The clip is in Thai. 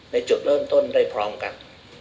ในจุดเริ่มต้นได้พร้อมกัน